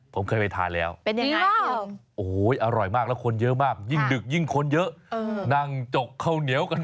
ผมเคยไปทานแล้วเป็นยังไงโอ้โหอร่อยมากแล้วคนเยอะมากยิ่งดึกยิ่งคนเยอะนั่งจกข้าวเหนียวกัน